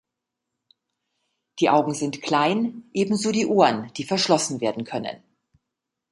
Die Augen sind klein, ebenso die Ohren, die verschlossen werden können.